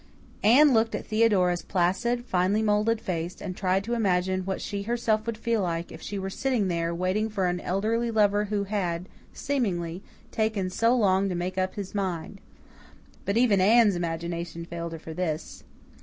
Anne looked at Theodora's placid, finely moulded face and tried to imagine what she herself would feel like if she were sitting there, waiting for an elderly lover who had, seemingly, taken so long to make up his mind. But even Anne's imagination failed her for this.